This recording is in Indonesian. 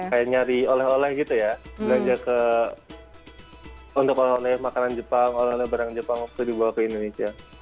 kayak nyari oleh oleh gitu ya belanja ke untuk oleh oleh makanan jepang oleh oleh barang jepang waktu dibawa ke indonesia